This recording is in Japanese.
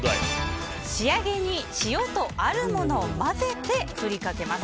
仕上げに塩とあるものを混ぜて振りかけます。